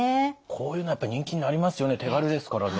こういうのはやっぱり人気になりますよね